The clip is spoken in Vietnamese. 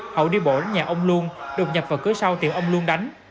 hậu đi bộ đến nhà ông luân đột nhập vào cửa sau tiệm ông luân đánh